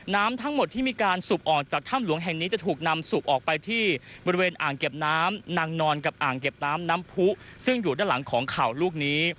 น้ำทั้งหมดที่มีการสูบออกจากถ้ำหลวงแห่งนี้จะถูกนำสูบออกไปที่บริเวณอ่างเก็บน้ำนางนอนกับอ่างเก็บน้ำน้ำผู้ซึ่งอยู่ด้านหลังของเข่าลูกนี้